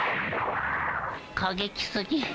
過激すぎ。